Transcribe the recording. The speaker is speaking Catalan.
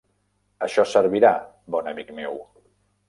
Això servirà, bon amic meu!